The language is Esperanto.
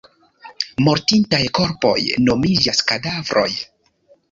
Mortintaj korpoj nomiĝas kadavroj.